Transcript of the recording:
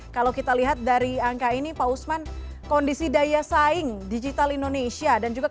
kalau kita lihat dari angka ini pak usman kondisi daya saing digital indonesia